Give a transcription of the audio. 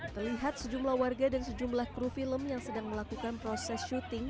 terlihat sejumlah warga dan sejumlah kru film yang sedang melakukan proses syuting